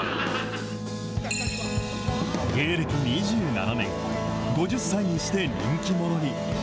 芸歴２７年、５０歳にして人気者に。